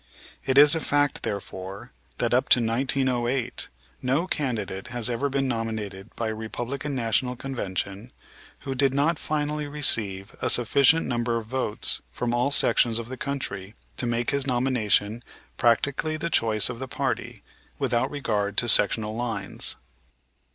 It is a fact, therefore, that up to 1908 no candidate has ever been nominated by a Republican National Convention who did not finally receive a sufficient number of votes from all sections of the country to make his nomination practically the choice of the party without regard to sectional lines.